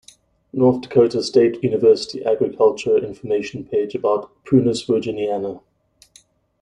North Dakota State University agriculture information page about "Prunus virginiana"